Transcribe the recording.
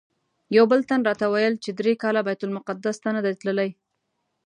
یو بل تن راته ویل چې درې کاله بیت المقدس ته نه دی تللی.